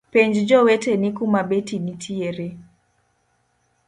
Penj joweteni kuma beti nitiere.